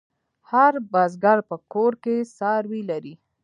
هر بزگر په کور کې څاروي لري.